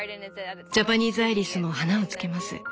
ジャパニーズアイリスも花をつけます。